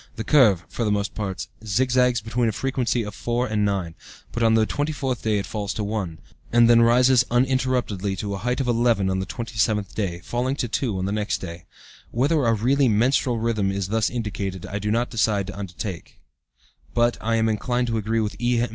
The curve, for the most part, zigzags between a frequency of 4 and 9, but on the twenty fourth day it falls to 1, and then rises uninterruptedly to a height of 11 on the twenty seventh day, falling to 2 on the next day. Whether a really menstrual rhythm is thus indicated I do not undertake to decide, but I am inclined to agree with E.